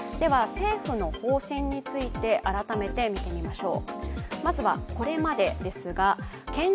政府の方針について改めて見てみましょう。